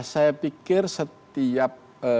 saya pikir setiap